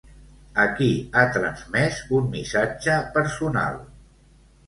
A qui ha transmès un missatge personal?